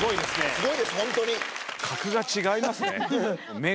すごいですホントに。